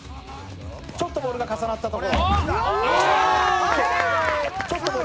ちょっとボールが重なったところ。